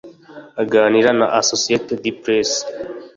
Aganira na Associated Press